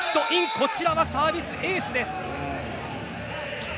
こちらはサービスエースです。